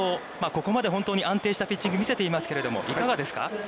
ここまで本当に安定したピッチングを見せていますけれども、いかがですか。